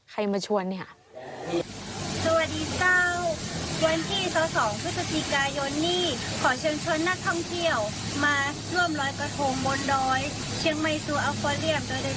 ใครมาชวนเนี่ยสวัสดีเจ้าวันที่สองสองพฤษฎิกายนี่